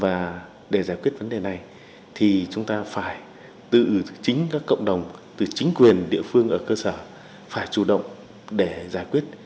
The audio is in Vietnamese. và để giải quyết vấn đề này thì chúng ta phải tự chính các cộng đồng từ chính quyền địa phương ở cơ sở phải chủ động để giải quyết